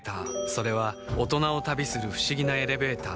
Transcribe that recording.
それは大人を旅する不思議なエレベーター